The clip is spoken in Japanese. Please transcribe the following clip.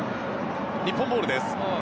日本ボールです。